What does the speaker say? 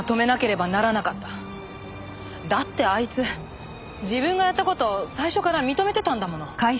だってあいつ自分がやった事を最初から認めてたんだもの。